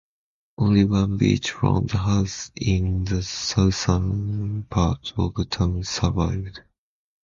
Only one beachfront house in the southern part of town survived.